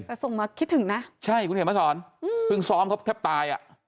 แต่ส่งมาคิดถึงนะใช่คุณเห็นมาสอนเพิ่งซ้อมเขาแทบตายอ่ะ